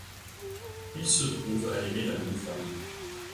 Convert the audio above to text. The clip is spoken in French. Ils se trouvent à aimer la même femme.